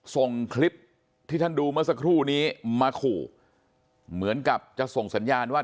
ส่งคลิปที่ท่านดูเมื่อสักครู่นี้มาขู่เหมือนกับจะส่งสัญญาณว่า